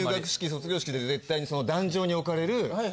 卒業式で絶対に壇上に置かれる。